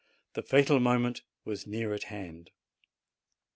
The fatal moment was near at hand.